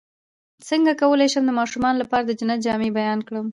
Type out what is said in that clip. څنګه کولی شم د ماشومانو لپاره د جنت جامې بیان کړم